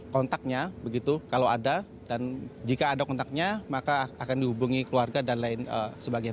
kontaknya begitu kalau ada dan jika ada kontaknya maka akan dihubungi keluarga dan lain sebagainya